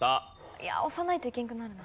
いや押さないといけんくなるな。